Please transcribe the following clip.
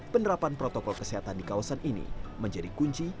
penerapan protokol kesehatan di kawasan ini menjadi kunci